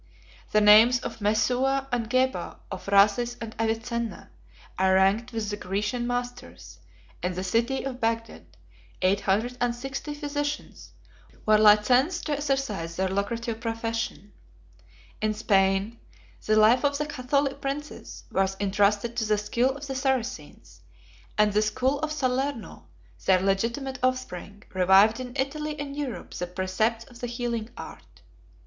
The names of Mesua and Geber, of Razis and Avicenna, are ranked with the Grecian masters; in the city of Bagdad, eight hundred and sixty physicians were licensed to exercise their lucrative profession: 64 in Spain, the life of the Catholic princes was intrusted to the skill of the Saracens, 65 and the school of Salerno, their legitimate offspring, revived in Italy and Europe the precepts of the healing art.